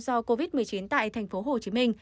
do covid một mươi chín tại tp hcm